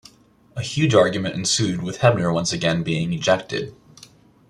A huge argument ensued with Hebner once again being ejected.